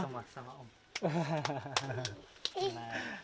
kasih tos semua sama om